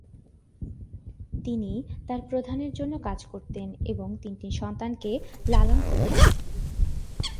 তিনি তার প্রধানের জন্য কাজ করতেন এবং তিনটি সন্তানকে লালন করতেন।